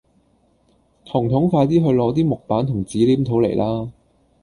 彤彤快啲去攞啲木板同紙黏土嚟啦